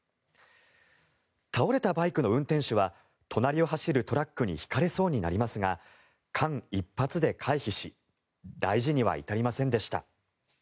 倒れたバイクの運転手は隣を走るトラックにひかれそうになりますが間一髪で回避し大事には至りませんでした。